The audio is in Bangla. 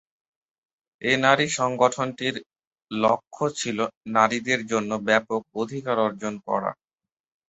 এ নারী সংগঠনটির লক্ষ্য ছিল নারীদের জন্য ব্যাপক অধিকার অর্জন করা।